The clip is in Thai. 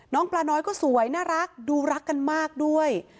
ปลาน้อยก็สวยน่ารักดูรักกันมากด้วย